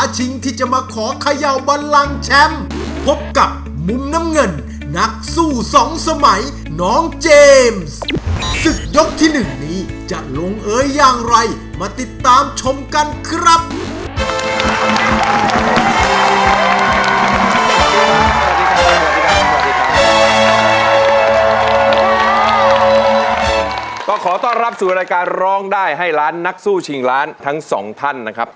สวัสดีครับสวัสดีครับ